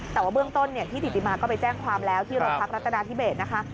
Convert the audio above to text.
แต่ว่าเบื้องต้นพี่ถิติมาก็ไปแจ้งความแล้วที่โรงพักรัฐนาธิเบสนะคะ